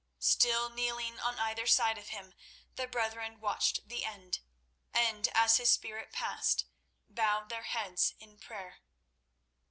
Still kneeling on either side of him, the brethren watched the end, and, as his spirit passed, bowed their heads in prayer.